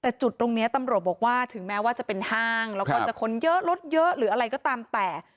แต่จุดตรงนี้ตำรวจบอกว่าถึงแม้ว่าจะเป็นห้างแล้วก็จะคนเยอะรถเยอะหรืออะไรก็ตามแต่